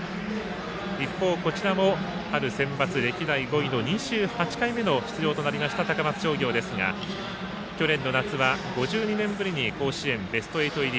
一方、こちらも春センバツ歴代５位の２８回目の出場となりました高松商業ですが去年の夏は５２年ぶりに甲子園ベスト８入り。